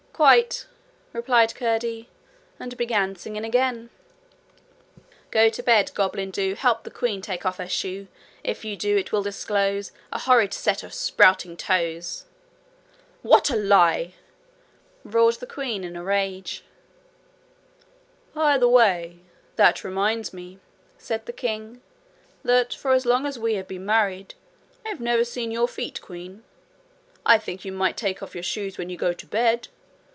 'Quite,' returned Curdie, and began singing again: 'Go to bed, Goblin, do. Help the queen Take off her shoe. 'If you do, It will disclose A horrid set Of sprouting toes.' 'What a lie!' roared the queen in a rage. 'By the way, that reminds me,' said the king, 'that for as long as we have been married, I have never seen your feet, queen. I think you might take off your shoes when you go to bed!